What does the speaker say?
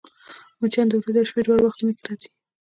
مچان د ورځي او شپې دواړو وختونو کې راځي